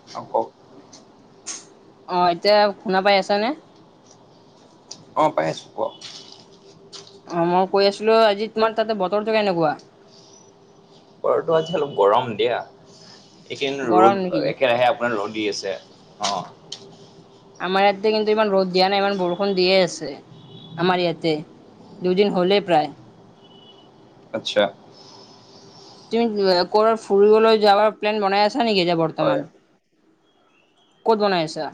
[unintelligible] অ এতিয়া শুনা পাই আছা নে? অ পাই আছোঁ, কোক। অ মই কৈ আছিলোঁ আজি তোমাৰ তাতে বতৰটো কেনেকুৱা? বতৰটো আজি অলপ গৰম দিয়া, এইদিন গৰম ৰ'দ নেকি? একেৰাহে মানে ৰ'দ দি আছে, অ'। আমাৰ ইয়াতে কিন্তু ইমান ৰ'দ দিয়া নাই ইমান বৰষুণ দিয়ে আছে। আমাৰ ইয়াতে দুইদিন হ'লেই প্ৰায়। আচ্ছা। তুমি ক'ৰবাত ফুৰিবলৈ যাবৰ প্লেন বনাই আছা নেকি এতিয়া হয় বৰ্তমান? ক'ত বনাই আছা?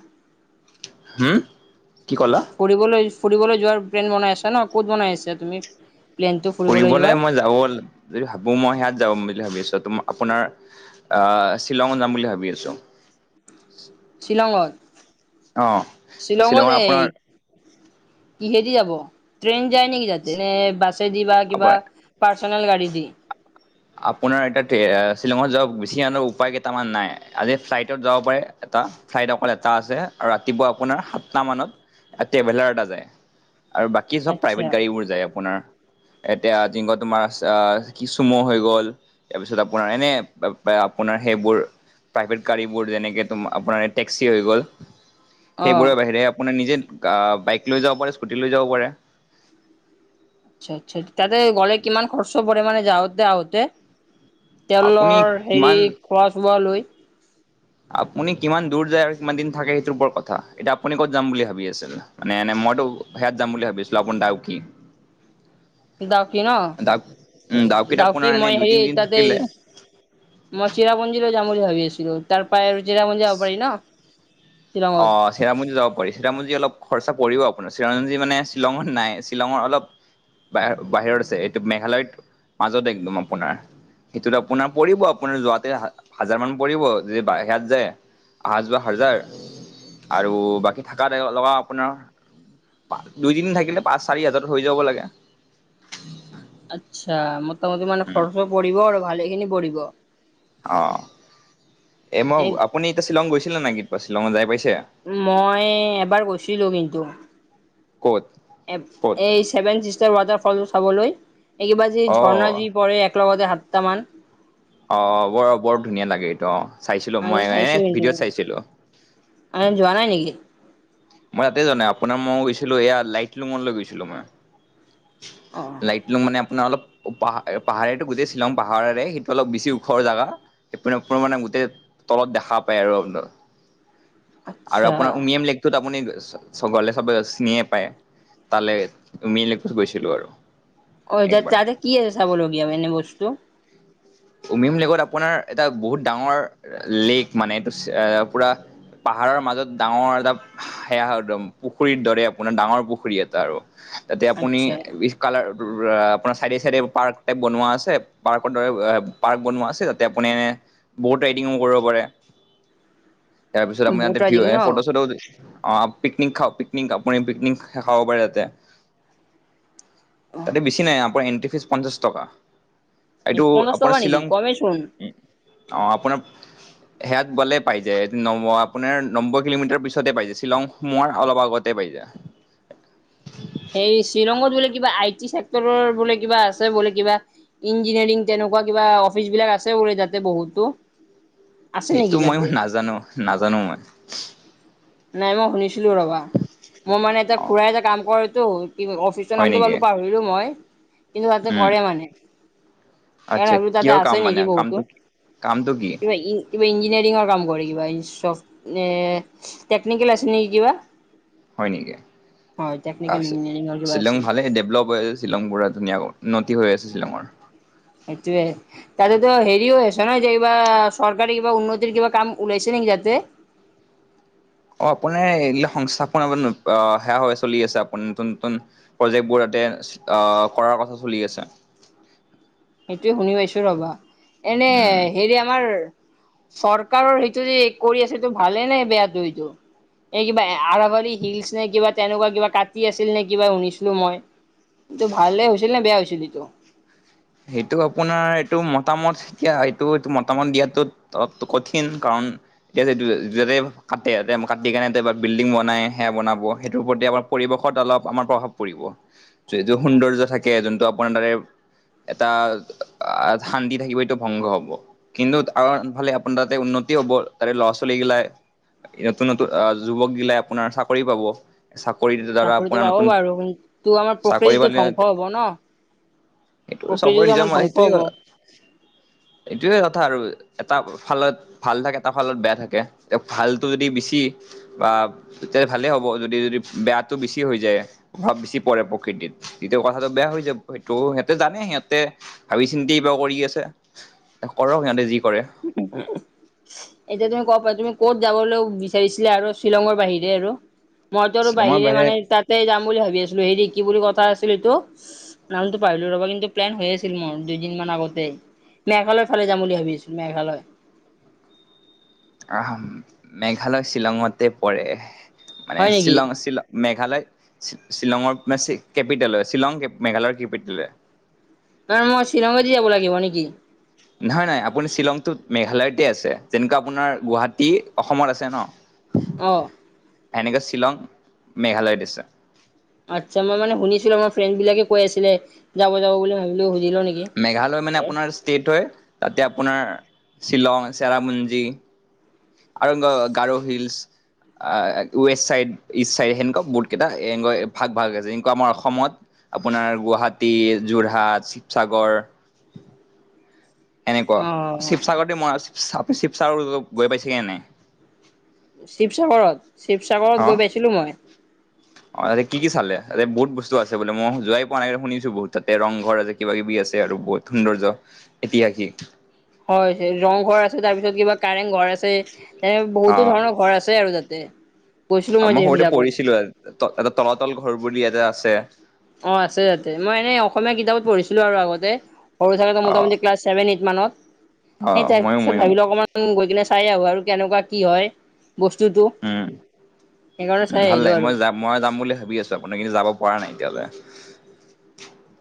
হুম, কি ক'লা? ফুৰিবলৈ-ফুৰিবলৈ যোৱাৰ প্লেন বনাই আছা ন, ক'ত বনাই আছা তুমি প্লেনটো যোৱাৰ ফুৰিবলৈ মই যাব লা যদি ভাবোঁ মই সেইয়াত যাম বুলি ভাৱি আছোঁ, তোমা-আপোনাৰ আ শ্বিলং যাম বুলি ভাৱি আছোঁ। শ্বিলঙত, অ শ্বিলঙত শ্বিলঙৰ এই আপোনাৰ কিহেদি যাব? ট্ৰেইন যায় নেকি তাতে? নে বাছেদি বা কিবা পাৰ্চনেল গাড়ী দি? আপোনাৰ এতিয়া এ শ্বিলঙত যাব বেছি এনেকৈ উপায় কেইটামান নাই, আজি ফ্লাইটত যাব পাৰে এটা চাইট অকল এটা আছে আৰু ৰাতিপুৱা আপোনাৰ সাতটা মানত ট্ৰেভেলাৰ এটা যায়। আৰু বাকী চব প্ৰাইভেট আচ্ছা। গাড়ীবোৰ যায় আপোনাৰ- এতিয়া যিংকত তোমাৰ আ-কি চুম' হৈ- গ'ল, তাৰপিছত আপোনাৰ এনে আপ-আপ-আপোনাৰ সেইবোৰ- প্ৰাইভেট গাড়ীবোৰ, যেনেকে তোমা-আপোনাৰ টেক্সি হৈ গ'ল। অ', সেইবোৰৰ বাহিৰে আপোনাৰ নিজে বাইক লৈও যাব পাৰে, স্কুটি লৈ যাব পাৰে। আচ্ছা আচ্ছা, তাতে গ'লে কিমান খৰচ পৰে মানে যাওঁতে আহোঁতে? আপুনি তেলৰ, হেৰি, কিমান খোৱা চোৱা লৈ? আপুনি কিমান দূৰ যায় আৰু কিমান দিন থাকে সেইটোৰ ওপৰত কথা, এতিয়া আপুনি ক'ত যাম বুলি ভাৱি দাদা? মানে এনে মইতো হেয়াত যাম বুলি ভাৱি আছিলোঁ, আপোনাৰ ডাউকী। [unintelligible] ডাউকী ন, ডাউ উম ডাউকিত ডাউকী আপোনাৰ এনে মই দুই হেৰি তিনিদিন থাকিলে তাতে- মই চেৰাপুঞ্জীলৈ যাম বুলি ভাৱি আছিলোঁ, তাৰ পৰাই আৰু চেৰাপুঞ্জী যাব পাৰি ন? শ্বিলঙত। অঁ চে- চেৰাপুঞ্জী যাব পাৰি, চেৰাপুঞ্জী অলপ খৰচা পৰিব আপোনাৰ, চেৰাপুঞ্জী মানে শ্বিলঙত নাই, শ্বিলঙৰ অলপ- বাহ-বাহিৰত আছে, এইটো মেঘালয়ত মাজতে একদম আপোনাৰ। সেইটোত আপোনাৰ পৰিব, আপোনাৰ যোৱাতে হাজ-হাজাৰ মান পৰিব, যে বাই হাত যে- অহা-যোৱা হাজাৰ- আৰু বাকী থাকাত লগা আপোনাৰ- পা-দুইদিন থাকিলে পাঁচ, চাৰি হাজাৰত হৈ যাব লাগে। আচ্ছা, মোটামুটি মানে খৰছো পৰিব আৰু ভালেখিনি পৰিব? অঁ এই মই এ আপুনি এতিয়া শ্বিলং গৈছিলে নাই, শ্বিলঙত যায় পাইছে? মই এবাৰ গৈছিলোঁ কিন্তু। ক'ত? ক'ত এই ছেভেন চিষ্টাৰ ৱাটাৰফলটো চাবলৈ- এই কিবা যে অ ঝৰ্ণা যে পৰে একে লগতে সাতটা মান। অঁ বৰ বৰ ধুনীয়া লাগে এইটো অঁ চাইছিলোঁ মই, এ ভিডিঅ'ত চাইছিলোঁ। মানে যোৱা নাই নেকি? মই তাতে যোৱা নাই, আপোনাৰ মই গৈছিলোঁ, এইয়া লাইটলুমলৈ গৈছিলোঁ মই, অ'। লাইট- লুম মানে আপোনাৰ অলপ পাহাৰ এ পাহাৰেতো গোটেই শ্বিলং পাহাৰৰে, সেইটো অলপ বেছি ওখৰ জাগা- আপোনাৰ আপোনাৰ মানে গোটেই তলত দেখা পায় ৰুমতো। [unintelligible] আৰু আপোনাৰ উমিয়ম লিক- কটোত আপুনি গ'লে চব চিনিয়ে পায়। তালৈ উমিলি- গৈছিলোঁ আৰু। অঁ' এতিয়া একবাৰ। তাতে কি চাবলগীয়া এনে বস্তু? উমিয়াম লেকত আপোনাৰ এটা বহুত ডাঙৰ লেক মানে এইটো এ পুৰা- পাহাৰৰ মাজত ডাঙৰ এটা সেয়া একদম পুখুৰীৰ দৰে আপোনাৰ ডাঙৰ পুখুৰী এটা আৰু। তাতে আপুনি আচ্ছা উত- কালাৰ চাইডে চাইডে পাৰ্ক টাইপ বনোৱা আছে পাৰ্কৰ দৰে- পাৰ্ক বনোৱা আছে তাতে আপুনি এনে ব'ট ৰাইডিংও কৰিব পাৰে। তাৰ পিছত আপুনি বহুত ইয়াতে ৰাইডিং ভিও ন এ ফটো চটো- অঁ' পিকনিক খাও পিকনিক আপুনি পিকনিক খাব পাৰে ইয়াতে। অহ, তাতে বেছি নাই আপোনাৰ এণ্ট্ৰি ফিজ পঞ্চাশ টকা। এ এইটো পঞ্চাশ আপো- মানে টকা নেকি শ্বিলং কমেই চোন অ আপোনাৰ- সেয়াত গ'লে পাই যায়। নম আপোনাৰ নব্বৈ কিলোমিটাৰ পিছতে পাই যায়। শ্বিলং সোমোৱাৰ অলপ আগতেই পাই যায়। এই শ্বিলঙত বোলে কিবা আই টি চছেক্টৰৰ বোলে কিবা আছে বোলে কিবা। ইঞ্জিনিয়াৰিং তেনেকুৱা কিবা অফিচ বিলাক আছে বোলে তাতে বহুতো। আছে সেইটো নেকি মই তাতে নাজানো নাজানো মই। নাই মই শুনিছিলো ৰ'বা, মই মানে এটা অ' খুৰা [unintelligible] কাম কৰেটো অফিচৰ হয় নামটো নেকি পালো পাহৰি [unintelligible] কিন্তু তাতে উম কৰে মানে। আচ্ছা [unintelligible] তাতে কিহৰ আছে কাম মানে নেকি বহুতো। কামটো কি কামটো কি কিবা ই কিবা ইঞ্জিনিয়াৰিঙৰ কাম কৰে কিবা। [unintelligible] নে টেকনিকেল আছে নেকি কিবা? হয় নেকি? হয় টেকনিকেল [unintelligible] ইঞ্জিনিয়াৰিঙৰ কিবা শ্বিলং আছিল ভালে ডেভলপ হৈ শ্বিলং পুৰা ধুনীয়া উন্নতি হৈ আছে শ্বিলঙৰ। সেইটোৱে। তাতেতো হেৰিও আছে ন যে এইবা চৰকাৰী উন্নতিৰ কিবা কাম নেকি তাতে? অ' আপোনাৰ [unintelligible] সংস্থাপনৰ সেয়া হৈ চলি আছে। আপোনাৰ নতুন নতুন প্ৰজেক্টবোৰ তাতে আ কৰাৰ কথা চলি আছে। সেইটোয়ে শুনি পাইছো ৰ'বা, এনে উম হেৰি আমাৰ চৰকাৰৰ সেইটো যে কৰি আছে ভালে নে বেয়াটো ইটো? এই কিবা আৰাবলী হিলছ নে কিবা তেনেকুৱা কিবা কাটি আছিল নে কিবা শুনিছিলো মই। [unintelligible] ভালে হেছিল নে বেয়া হৈছিল সিটো? সেইটো আপোনাৰ এইটো মতামত এতিয়া এইটো এইটো মতামত দিয়াটোত [unintelligible] কঠিন। কাৰণ এতিয়া [unintelligible] কাটে [unintelligible] কাটি কেনে [unintelligible] বিল্ডিং বনাই সেয়া বনাব সেইটোৰ প্ৰতি আমাৰ পৰিবেশত অলপ আমাৰ প্ৰভাৱ পৰিব, [unintelligible] সৌন্দৰ্য থাকে যোনটো আপোনাৰ দাৰে এটা আ -শান্তি থাকিব এইটো ভংগ হ'ব। কিন্তু আনফালে আপোনাৰ তাতে উন্নতি হ'ব। তাতে ল'ৰা ছোৱালী গিলাই [unintelligible] আ যুবক গিলাই আপোনাৰ চাকৰি পাব। চাকৰি দ্বাৰা চাকৰিটো আপোনাৰ পাব নতুন বাৰু কিন্তু আমাৰ চাকৰি প্ৰকৃতিটো [unintelligible] [unintelligible] ন সেইটো চবৰে প্ৰকৃতিটো নিজৰ আমাৰ মত, ধ্বংস হ'ব। সেইটোৱে এইটোৱে কথা আৰু এটা ফালত ভাল থাকে এটা ফালত বেয়া থাকে। এ ভালটো যদি বেছি বা [unintelligible] ভালেই হ'ব। যদি যদি বেয়াটো বেছি হৈ যায় প্ৰভাৱ বেছি পৰে প্ৰকৃতিত তেতিয়া কথাটো বেয়া হৈ যাব। সেইটো [unintelligible] সিহঁতে জানে, সিহঁতে ভাবি চিন্তি কিবা কৰি আছে কৰক সিহঁতে যি কৰে। [inaudible] এতিয়া তুমি ক'ব পাৰ তুমি ক'ত যাবলৈ বিচাৰিছিলা আৰু শ্বিলঙৰ বাহিৰে আৰু মইতো আৰু বাহিৰে মানে তাতে যাম বুলি ভাবি আছিলো হেৰি কি বুলি কথা আছিল এইটো নামতটো পাৰিলো ৰ'বা কিন্তু প্লেন হৈ আছিল মোৰ দুইদিন মমান আগতে মেঘালয় ফালে যাম বুলি ভাবি মেঘালয়। [unintelligible] মেঘালয় পৰে। মানে হয় নেকি? শ্বিলং শ্বিলং মেঘালয় শ্বিলঙৰ [unintelligible] কেপিটেল হয়, শ্বিলং মেঘালয়ৰ কেপিটেল [unintelligible] কাৰণ মই শ্বিলঙতদি যাব লাগিব নেকি? নহয় [unintelligible] আপুনি শ্বিলংটোত মেঘালয়তে আছে যেনেকুৱা আপোনাৰ গুৱাহাটী অসমত আছে ন। অ'। এনেকে শ্বিলং মেঘালয়ত আছে। আচ্ছা মই মানে শুনিছিলো আমাৰ ফ্ৰেণ্ড বিলাকে কৈ আছিলে যাব যাব বুলি ভাবিলো সুধিলো নেকি মেঘালয় মানে আপোনাৰ ষ্টেট হয় তাতে আপোনাৰ শ্বিলং চেৰাপুঞ্জী আৰুংগ Garo hills west side east side সেনেকুৱা বহুতকেইটা এনেকুৱা ভাগ ভাগ আছে এনেকুৱা আমাৰ অসমত আপোনাৰ গুৱাহাটী যোৰহাট শিৱসাগৰ অঁ এনেকুৱা শিৱসাগৰতে আচ্ছা মই শিৱসাগৰ শিৱসাগৰ গৈ পাইছেগৈ নাই শিৱসাগৰত শিৱসাগৰত অ গৈ পাইছিলো মই অ কি কি চালে বহুত বস্তু আছে বোলে মই যোৱাই পোৱা নাই শুনিছো বহুত তাতে ৰংঘৰ আছে কিবা কিবি আছে আৰু বহুত সৌন্দৰ্য ঐতিহাসিক হয় সেই ৰং ঘৰ আছে তাৰপিছত কিবা কাৰেংঘৰ আছে আছে অ বহুতো ধৰণৰ ঘৰ আছে আৰু তাতে গৈছিলো মই যিবিলাকত ত এটা তলাতল ঘৰ বুলি এটা আছে অ আছে তাতে মই এনেই অসমীয়া কিতাপত পঢ়িছিলোঁ আৰু আগতে সৰু থাকোতে অ মোটামুটি ক্লাছ ছেভেন এইট মানত অ সেই তাৰ ময়ো পিছত ময়ো ভাবি লও অকমান গৈ কিনে চাই আহো আৰু কেনেকুৱা কি হয় বস্তুটো উম সেইকাৰণে চাই ভাল আহিলোঁ লাগে মই আৰু যাম মই যাম বুলি ভাবি আছোঁ আপোনাৰ কিন্তু যাব পৰা নাই এতিয়ালৈ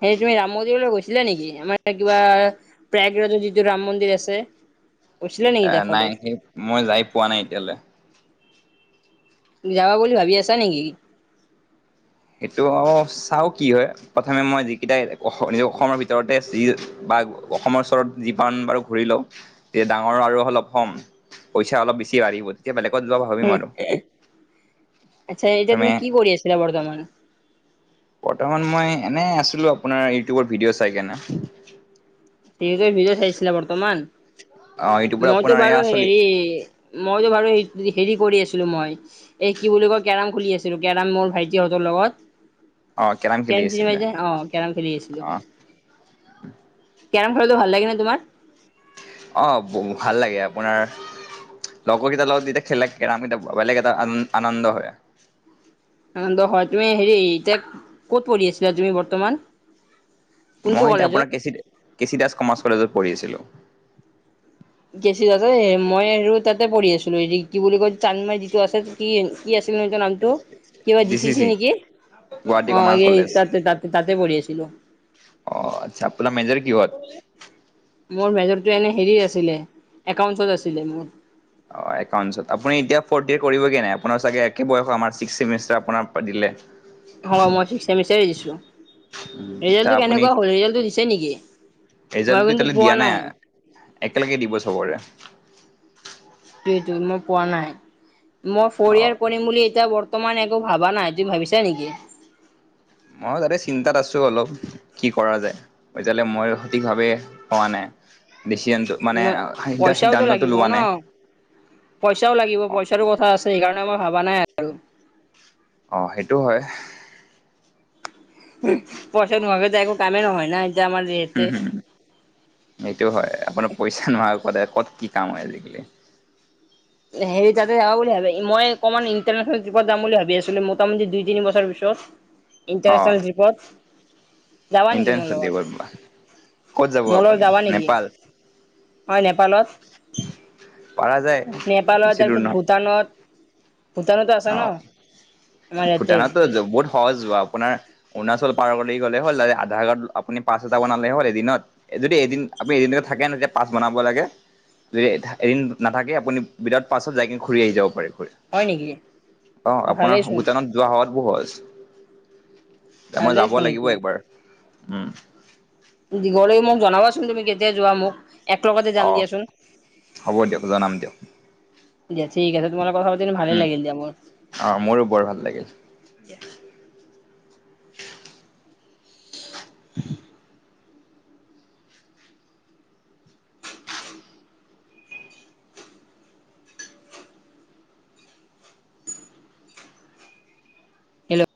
এই তুমি ৰাম মন্দিৰলৈ গৈছিলা নেকি আমাৰ কিবা প্ৰাগৰাইজত যিটো ৰাম মন্দিৰ আছে গৈছিলা নেকি এ তাৰফালে নাই সেই মই যাই পোৱা নাই এতিয়ালে যাবা বুলি ভাবি আছা নেকি সেইটো চাওঁ কি হয় প্ৰথমে মই যিকেইটাই অস অসমৰ ভিতৰতে আছে বা অসমৰ ওচৰত যিমান বাৰু ঘূৰি লওঁ তেতিয়া ডাঙৰ আৰু অলপ হম পইচা অলপ বেছি বাঢ়িব তেতিয়া বেলেগত যোৱা ভাব [unintelligible] আচ্ছা এতিয়া তুমি প্ৰথমে কি কৰি আছিলা বৰ্তমান বৰ্তমান মই এনেই আছিলো আপোনাৰ ইউটিউবত ভিডিঅ' চাই কেনে ইউটিউবত ভিডিঅ' চাইছিলা বৰ্তমান অ ইউটিউবত মইতো আপোনাৰ বাৰু এয়া চলি হেৰি মইতো বাৰু হেৰি কৰি আছিলো মই এই কি বুলি কয় কেৰাম খুলি আছিলো কেৰাম মোৰ ভাইটিহঁতৰ লগত অ কেৰাম খেলি কেৰম চিনি আছিলে পাই যে অ কেৰম খেলি আছিলো অ কেৰম খেলতো ভাল লাগে নে তোমাৰ অ ভাল লাগে আপোনাৰ লগৰ কেইটা লগত যেতিয়া খেলে কেৰম তেতিয়া বেলেগ এটা আন আনন্দ হয় আনন্দ হয় তুমি হেৰি এতিয়া ক'ত পঢ়ি আছিলা তুমি বৰ্তমান কোনটো মই এতিয়া কলেজত আপোনাৰ কে কেচি কে চি দাস কমাৰ্চ কলেজত পঢ়ি আছিলো কেচি দাস মই আৰু তাতে পঢ়ি আছিলো কি বুলি কয় চান্দমাৰী যিটো আছে যে কি কি আছিল এনেকে নামটো, কিবা জি চি দিচিচি চি নেকি গুৱাহাটী অ কমাৰ্চ এই কলেজ তাতে তাতে তাতে পঢ়ি আছিলো। অ আচ্ছা আপোনাৰ মেজৰ কিহত মোৰ মেজৰটো এনে হেৰি আছিলে, একাউণ্ট আছিলে মোৰ। অ একাউণ্টছত আপুনি এতিয়া ফ'ৰ্থ ইয়ে কৰিবগে নাই আপোনাৰ চাগে একে বয়সত আমাৰ ছিক্স চেমেষ্টাৰ আপোনাৰ দিলে। অ মই ছিক্স ছেমিষ্টাৰে দিছোঁ, এতিয়া ৰিজাল্টো আপুনি কেনেকুৱা হ'ল ৰিজাল্টো দিছে নকি? মই ৰিজাল্টটো কিন্তু এতিয়ালৈ পোৱা দিয়া নাই। একেলগে দিব চবৰে। সেইটোৱেটো মই পোৱা নাই, মই অ ফ'ৰ ইয়েৰ কৰিম বুলি এতিয়া বৰ্ত মান একো ভাবা নাই, তুমি ভাবিছা নেকি? মই তাতে চিন্তাত আছো অলপ, কি কৰা যায়। এতিয়াললে মই সঠিক ভাৱে পোৱা নাই। [unintelligible] মানে ন পইচাওতো সিদ্ধা-সিদ্ধান্তটো লাগিব লোৱা ন নাই। পইচাও লাগিব পইচাৰো কথা আছে সেইকাৰণে মই ভাবা নাই আৰু অ সেইটো হয়। পইচা নোহাৱাকে যে একো কামেই নহয় না। এতিয়া আমাৰ যিহেতে হুম হুম, সেইটো হয় আপোনাৰ পইচা নোহোৱাকে ক'ত কি কাম হয় আজিকালি। হেৰি তাতে মই অকণমান ইণ্টাৰনেশনেলট্ৰিপত যাম বুলি ভাবি আছিলো মোটামুটি দুই-তিনিছৰ পিছত। অ ইণ্টাৰনেচনেল ৰিপৰ্ট যাবা নেকি মোৰ ইণ্টাৰনেশ্যনেল লগত? ক'ত যাব মোৰ আপুনি যাবা নেকি? নেপাল? হয় নেপালত। পাৰা যায়। নেপালত বেছি দূৰ তাৰপিছত নহয় ভূটানত, ভূটানতো আছে অ ন আমাৰ ইয়াতে। [inaudible] সহজ যোৱা। আপোনাৰ অৰুণাচল পাৰ গ'লে হ'ল আধাৰ কাৰ্ড আপুনি পাছ এটা বনালে হ'ল এদিনত। যদি এদিন আপুনি এদিনক থাকে ন পাছ বনাব লাগে, যদি এদিন নাথাকে আপুনি উইদাউট পাছত যাই কিনে ঘূৰি আহি যাব ঘূৰি। হয় নেকি? অ ভালেই আপোনাৰ চোন, ভূটানত যোৱা সোৱাতো সহজ, মই ভালেই যাব চোন লাগিব এইটো। একবাৰ। উম। দীঘল মোক জনাবাচোন তুমি কেতিয়া যোৱা মোক। এক লগতে যাম অ দিয়াচোন। হ'ব দিয়ক, জনাম দিয়ক। দিয়া ঠিক আছে তোমৰ লগত কথা পাতি ভালে উম লাগিল দিয়া মোৰ। অ মোৰো বৰ ভাল লাগিল। [unintelligible] [inaudible]